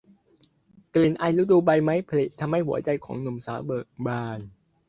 กลิ่นไอฤดูใบไม้ผลิทำให้หัวใจของหนุ่มสาวเบิกบาน